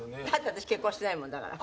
私結婚してないもんだから。